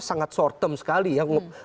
sangat short term sekali ya